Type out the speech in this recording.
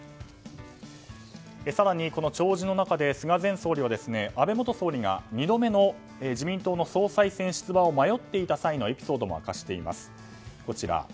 更にこの弔辞の中で菅前総理は安倍元総理が２度目の自民党の総裁選出馬を迷っていた際のエピソードも明かしています。